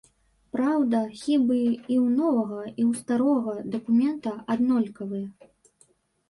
Праўда, хібы і ў новага, і ў старога дакумента аднолькавыя.